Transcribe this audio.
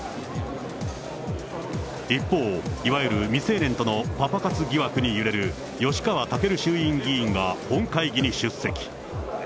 一方、いわゆる未成年とのパパ活疑惑に揺れる吉川赳衆院議員が本会議に出席。